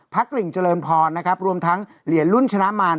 พระกลิ่งเจริมพรรณนะครับรวมทั้งเหรียญลุ้นฉนามาน